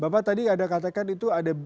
bapak tadi anda katakan itu ada